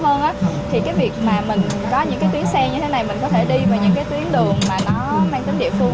mà nó mang tính địa phương